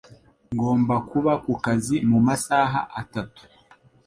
Ngomba kuba ku kazi mu masaha atatu.